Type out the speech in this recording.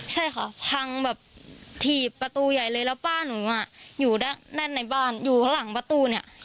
ใช่ค่ะพังแบบถีบประตูใหญ่เลยแล้วป้าหนูอ่ะอยู่ด้านในบ้านอยู่ข้างหลังประตูเนี่ย